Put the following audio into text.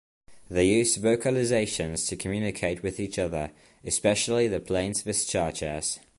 They use vocalizations to communicate with each other, especially the plains viscachas.